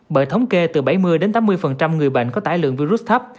bởi thống kê từ bảy mươi tám mươi người bệnh có tải lượng virus thấp